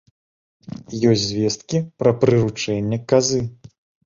Ёсць звесткі пра прыручэнне казы.